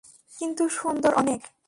কিন্তু সুন্দর অনেক!